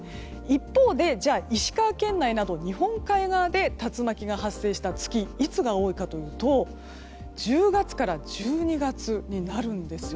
一方で、石川県内など日本海側で竜巻が発生した月いつが多いかというと１０月から１２月になるんです。